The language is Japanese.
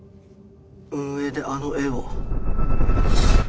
運営であの絵を。